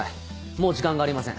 もう時間がありません。